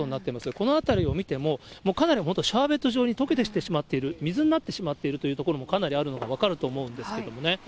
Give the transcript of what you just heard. この辺りを見ても、もうかなり本当、シャーベット状にとけてしまっている、水になってしまっているという所もかなりあるのが分かると思うんですけれどもね。